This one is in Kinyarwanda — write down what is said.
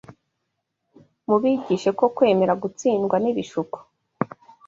Mubigishe ko kwemera gutsindwa n’ibishuko